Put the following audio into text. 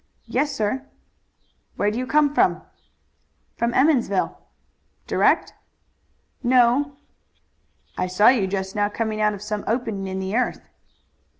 "Yes, sir." "Where do you come from?" "From Emmonsville." "Direct?" "No." "I saw you just now coming out of some opening in the earth."